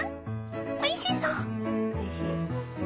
おいしそう！